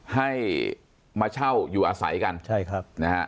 ให้มาเช่าอยู่อาศัยกันใช่ครับนะฮะ